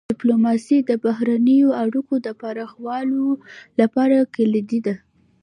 ډيپلوماسي د بهرنیو اړیکو د پراخولو لپاره کلیدي ده.